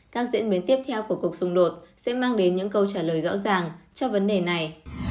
các diễn biến tiếp theo của cuộc xung đột sẽ mang đến những câu trả lời rõ ràng cho vấn đề này